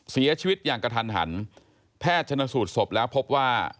เสียชีวิตอย่างกระทันหันแพทย์ชนสูตรศพแล้วพบว่า